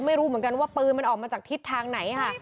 ไม่รู้เหมือนกันว่าปืนมันออกมาจากทิศทางไหนค่ะ